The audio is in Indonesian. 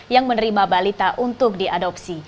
yang menerima balita untuk diadopsi